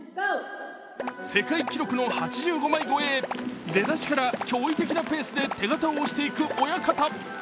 世界記録の８５枚超えへ、出だしから驚異的なペースで手形を押していく親方。